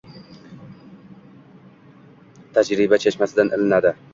tajriba chashmasidan ilinadi.